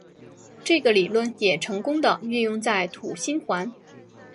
这个理论也成功的运用在土星环。